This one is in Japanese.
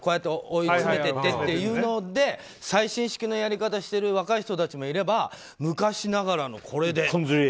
追い詰めていってというので最新式のやり方をしてる若い人たちもいれば昔ながらのこれで。